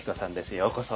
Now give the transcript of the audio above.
ようこそ。